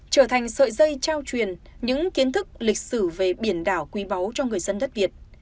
trở thành sợi dây trao truyền những kiến thức lịch sử về biển đảo quý báu cho người dân đất việt